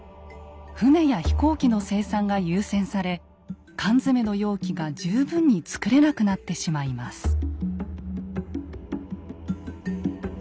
船や飛行機の生産が優先され缶詰の容器が十分に作れなくなってしまいます。